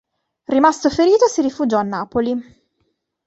Rimasto ferito si rifugiò a Napoli.